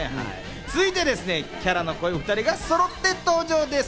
続いてキャラの濃いお２人がそろって登場です。